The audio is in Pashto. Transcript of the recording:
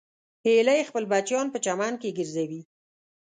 هیلۍ خپل بچیان په چمن کې ګرځوي